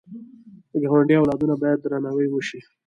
د ګاونډي اولادونه باید درناوی وشي